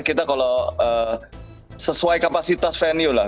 kita kalau sesuai kapasitas venue lah